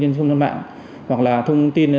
trên không gian mạng hoặc là thông tin